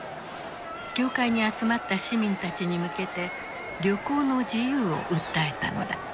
教会に集まった市民たちに向けて旅行の自由を訴えたのだ。